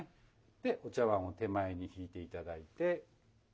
でお茶碗を手前に引いて頂いて。